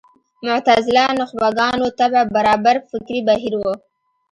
معتزله نخبه ګانو طبع برابر فکري بهیر و